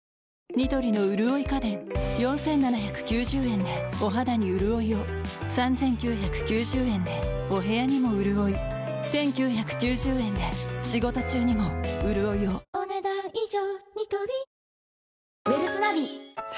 ４，７９０円でお肌にうるおいを３，９９０円でお部屋にもうるおい１，９９０円で仕事中にもうるおいをお、ねだん以上。